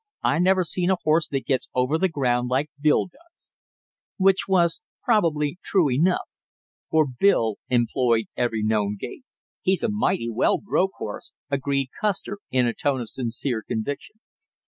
I never seen a horse that gets over the ground like Bill does." Which was probably true enough, for Bill employed every known gait. "He's a mighty well broke horse!" agreed Custer in a tone of sincere conviction.